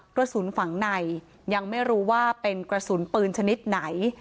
กระสุนฝั่งในยังไม่รู้ว่าเป็นกระสุนปืนชนิดไหน